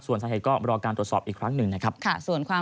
ส่วนสาเหตุก็รอการตรวจสอบอีกครั้งหนึ่งนะครับค่ะส่วนความ